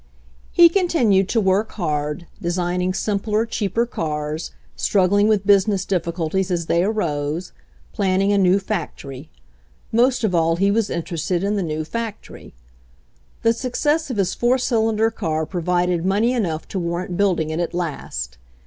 He continued to work hard, designing simpler, cheaper cars, struggling with business difficulties as they arose, planning a new factory. Most of all he was interested in the new factory. The success of his four cylinder car provided money enough to warrant building it at last.